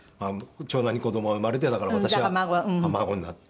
長男に子供が生まれてだから私は孫になる。